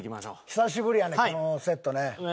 久しぶりやねこのセットね。